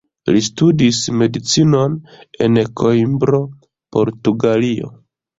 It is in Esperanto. Li studis Medicinon en Koimbro, Portugalio.